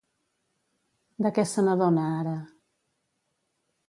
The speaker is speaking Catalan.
De què se n'adona ara?